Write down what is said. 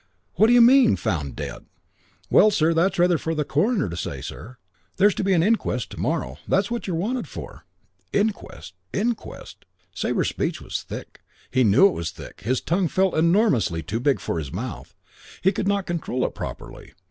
What d'you mean, found dead?" "Well, sir, that's rather for the coroner to say, sir. There's to be an inquest to morrow. That's what you're wanted for." "Inquest? Inquest?" Sabre's speech was thick. He knew it was thick. His tongue felt enormously too big for his mouth. He could not control it properly.